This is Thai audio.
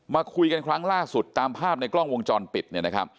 มาคุยกันครั้งล่าสุดตามภาพในกล้องวงจรปิดเนี่ยนะครับ